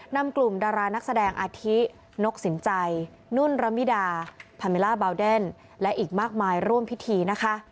นำกลุ่มดารานักแสดงอาธินกสินใจนุ่นระมิดาพาเมล่าบาวเดนและอีกมากมายร่วมพิธีนะคะ